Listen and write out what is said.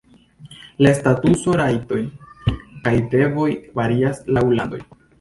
La statuso, rajtoj kaj devoj varias laŭ landoj.